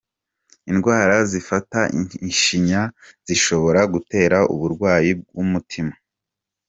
Indwara zifata ishinya zishobora gutera uburwayi bw’umutima